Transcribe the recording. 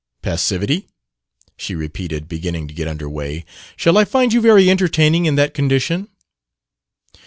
"Passivity?" she repeated, beginning to get under way. "Shall I find you very entertaining in that condition?"